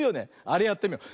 あれやってみよう。